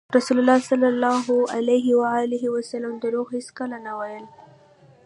رسول الله ﷺ دروغ هېڅکله نه ویل.